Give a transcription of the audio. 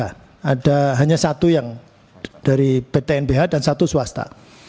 ada hanya satu yang dari ptnbh dan satu swasta